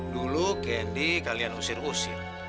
dulu kendi kalian usir usir